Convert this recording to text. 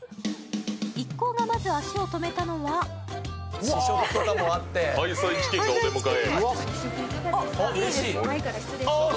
一行が、まず足を止めたのはハイサイチキンがお出迎え。